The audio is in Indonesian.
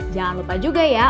jangan lupa juga ya